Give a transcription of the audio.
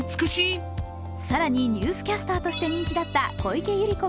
更にニュースキャスターとして人気だった小池百合子